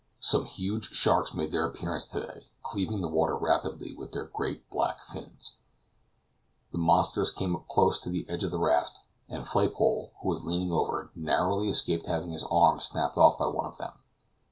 Some huge sharks made their appearance to day, cleaving the water rapidly with their great black fins. The monsters came up close to the edge of the raft, and Flaypole, who was leaning over, narrowly escaped having his arm snapped off by one of them.